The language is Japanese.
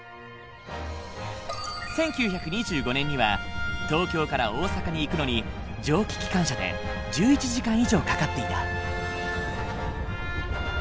１９２５年には東京から大阪に行くのに蒸気機関車で１１時間以上かかっていた。